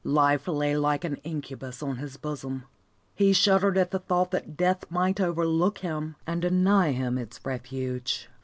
Life lay like an incubus on his bosom. He shuddered at the thought that death might overlook him, and deny him its refuge.